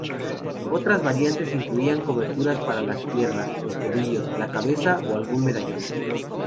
Otras variantes incluían coberturas para las piernas, los tobillos, la cabeza, o algún medallón.